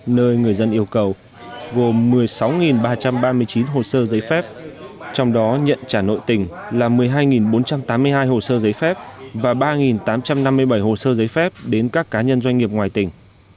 nơi người dân yêu cầu gồm một mươi sáu ba trăm ba mươi chín hồ sơ giấy phép trong đó nhận trả nội tỉnh là một mươi hai bốn trăm tám mươi hai hồ sơ giấy phép và ba tám trăm năm mươi bảy hồ sơ giấy phép đến các cá nhân doanh nghiệp ngoài tỉnh